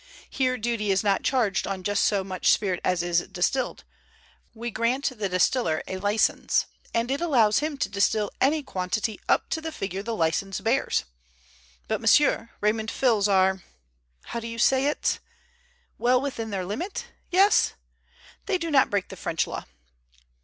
Here duty is not charged on just so much spirit as is distilled. We grant the distiller a license, and it allows him to distill any quantity up to the figure the license bears. But, monsieur, Raymond Fils are—how do you say it?—well within their limit? Yes? They do not break the French law."